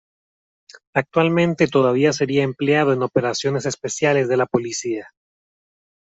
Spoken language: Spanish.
Actualmente todavía sería empleado en Operaciones especiales de la policía.